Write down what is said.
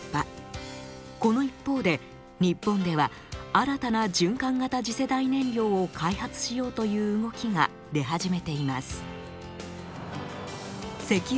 この一方で日本では新たな循環型次世代燃料を開発しようという動きが出始めています。